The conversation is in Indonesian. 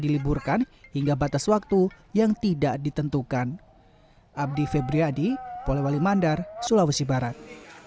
diliburkan hingga batas waktu yang tidak ditentukan abdi febriyadi polewali mandar sulawesi barat